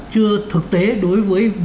chưa thực tế đối với